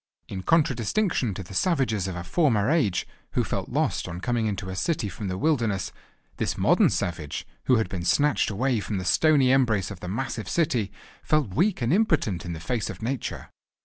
In contradistinction to the savages of a former age, who felt lost on coming into a city from the wilderness, this modern savage, who had been snatched away from the stony embrace of the massive city, felt weak and impotent in the face of nature.